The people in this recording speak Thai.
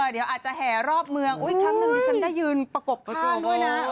เดี๋ยวอาจจะแห่รอบเมืองครั้งหนึ่งดิฉันได้ยืนประกบข้างด้วยนะ